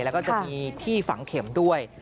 แล้วก็จะมีที่ฝังเข็มด้วย